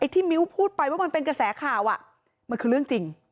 มิ้วพูดไปว่ามันเป็นกระแสข่าวมันคือเรื่องจริง